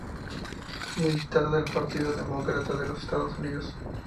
Militante del Partido Demócrata de los Estados Unidos.